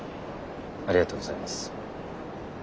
ありがとうございます。